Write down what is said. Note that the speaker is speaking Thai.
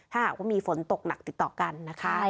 ถ้าหากว่ามีฝนตกหนักติดต่อกันนะคะ